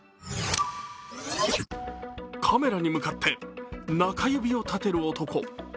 カメラに向かって中指を立てる男。